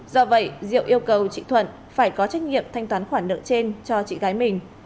do vậy diệu yêu cầu chị thuận phải có trách nhiệm thanh toán khoản nợ trên cho chị gái mình